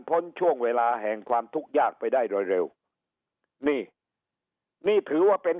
พ้นช่วงเวลาแห่งความทุกข์ยากไปได้โดยเร็วนี่นี่ถือว่าเป็น